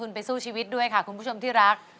คุณไปสู้ชีวิตด้วยค่ะคุณผู้ชมที่รัก